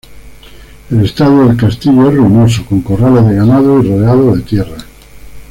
El estado del castillo es ruinoso, con corrales de ganado y rodeado de tierras.